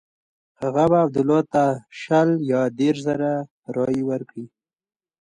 هغه به عبدالله ته شل یا دېرش زره رایې ورکړي.